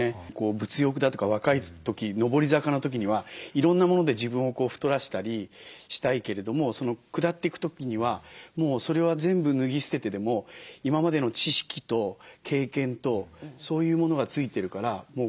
物欲だとか若い時上り坂の時にはいろんなもので自分を太らしたりしたいけれども下っていく時にはそれは全部脱ぎ捨ててでも今までの知識と経験とそういうものが付いてるから物に頼らなくても今度は下っていけるという